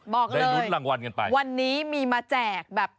บอกเลยวันนี้มีมาแจกแบบ